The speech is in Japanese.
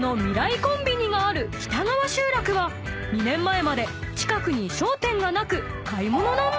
コンビニがある北川集落は２年前まで近くに商店がなく］